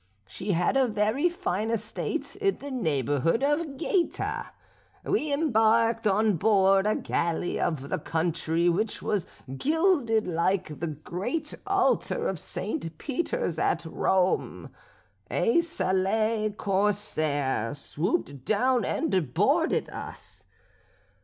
She had a very fine estate in the neighbourhood of Gaeta. We embarked on board a galley of the country which was gilded like the great altar of St. Peter's at Rome. A Sallee corsair swooped down and boarded us.